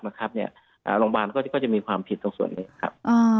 โรงพยาบาลก็จะมีความผิดตรงส่วนนี้ครับ